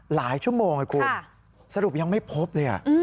หลายชั่วโมงนะคุณสรุปยังไม่พบเลย